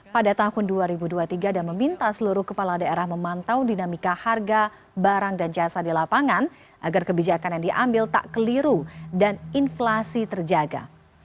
pada tahun dua ribu dua puluh tiga dan meminta seluruh kepala daerah memantau dinamika harga barang dan jasa di lapangan agar kebijakan yang diambil tak keliru dan inflasi terjaga